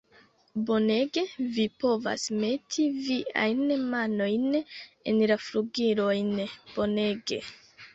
Bonege, vi povas meti viajn manojn en la flugilojn. Bonege!